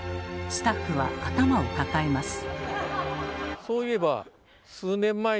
スタッフは頭を抱えます。